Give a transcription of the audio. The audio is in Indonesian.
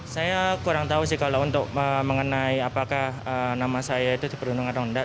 saya kurang tahu sih kalau untuk mengenai apakah nama saya itu diperuntungkan atau enggak